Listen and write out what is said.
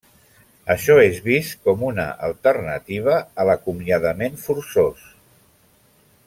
Això és vist com una alternativa a l'acomiadament forçós.